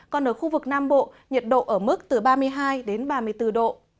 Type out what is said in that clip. còn ở khu vực nam bộ nhiệt độ ở mức từ ba mươi hai đến ba mươi bốn độ